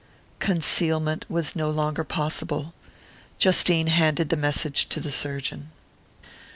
Concealment was no longer possible. Justine handed the message to the surgeon.